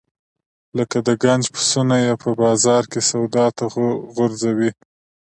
لکه د ګنج پسونه یې په بازار کې سودا ته غورځوي.